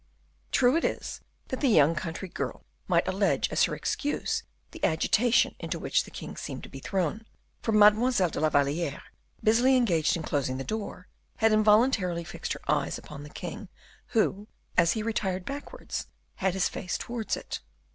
True it is that the young country girl might allege as her excuse the agitation into which the king seemed to be thrown, for Mademoiselle de la Valliere, busily engaged in closing the door, had involuntarily fixed her eyes upon the king, who, as he retired backwards, had his face towards it.